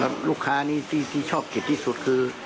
แล้วลูกค้านี่ที่ชอบกินที่สุดคือ